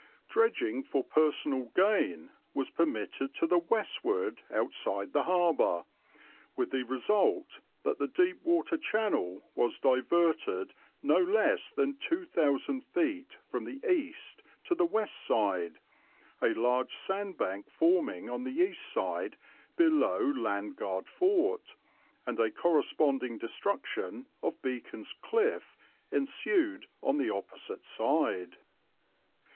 "Dredging for personal gain was permitted to the westward outside the harbour, with the result that the deep water channel was diverted no less than two thousand feet from the east to the west side, a large sand bank forming on the east side below Landguard Fort, and a corresponding destruction of Beacon's Cliff ensued on the opposite side.